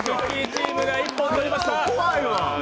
チームが一本取りました。